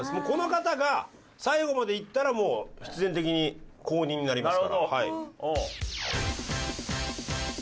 この方が最後までいったらもう必然的に公認になりますから。